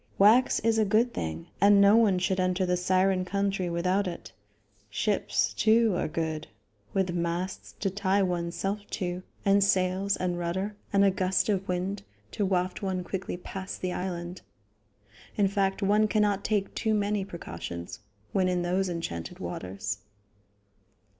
Wax is a good thing, and no one should enter the Siren country without it. Ships, too, are good, with masts to tie one's self to, and sails and rudder, and a gust of wind to waft one quickly past the island. In fact, one cannot take too many precautions when in those enchanted waters.